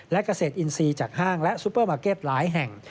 และเกษตรอินทรีย์จากห้างและซูเปอร์มาร์เก็ตหลายแห่ง